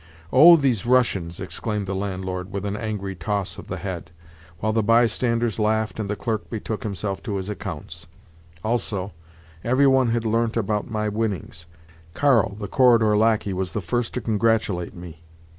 "Oh, these Russians!" exclaimed the landlord, with an angry toss of the head, while the bystanders laughed and the clerk betook himself to his accounts. Also, every one had learnt about my winnings; Karl, the corridor lacquey, was the first to congratulate me.